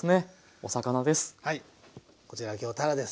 お魚です。